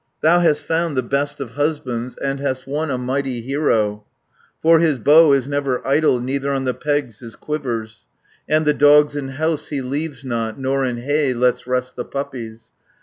"Thou hast found the best of husbands, And hast won a mighty hero, For his bow is never idle, Neither on the pegs his quivers; And the dogs in house he leaves not, Nor in hay lets rest the puppies.